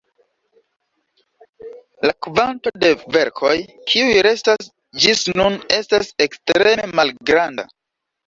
La kvanto de verkoj, kiuj restas ĝis nun estas ekstreme malgranda.